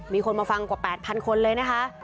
มีคนมาฟังกว่า๘๐๐คนเลยนะคะ